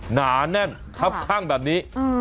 หนาแน่นครับข้างแบบนี้